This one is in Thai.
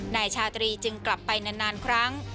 นายชาตรีจึงกลับไปนานครั้ง